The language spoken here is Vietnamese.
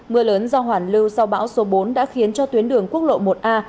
mưa lớn do hoàn lưu sau bão số bốn đã khiến cho tuyến đường quốc lộ một a